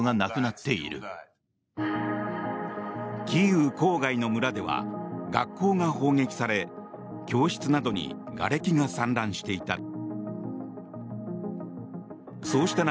キーウ郊外の村では学校が砲撃され教室などにがれきが散乱していた。